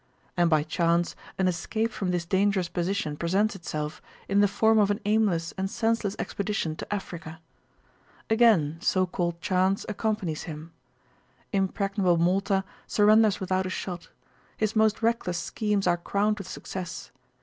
And by chance an escape from this dangerous position presents itself in the form of an aimless and senseless expedition to Africa. Again so called chance accompanies him. Impregnable Malta surrenders without a shot; his most reckless schemes are crowned with success.